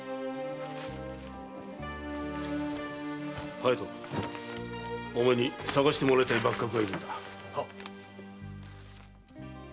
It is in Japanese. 隼人お前に捜してもらいたい幕閣がいるんだ。